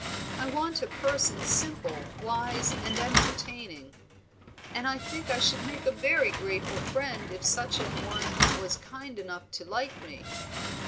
I want a person simple, wise, and entertaining; and I think I should make a very grateful friend if such an one was kind enough to like me."